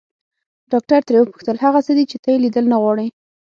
ډاکټر ترې وپوښتل هغه څه دي چې ته يې ليدل نه غواړې.